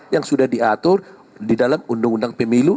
yang sudah diatur di dalam undang undang pemilu